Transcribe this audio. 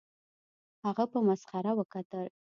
هغه په مسخره وکتل